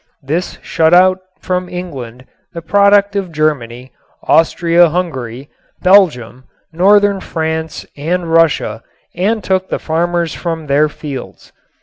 This shut out from England the product of Germany, Austria Hungary, Belgium, northern France and Russia and took the farmers from their fields.